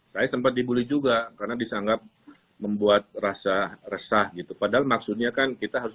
saya sempat dibully juga karena disanggap membuat rasa resah gitu padahal maksudnya kan kita harus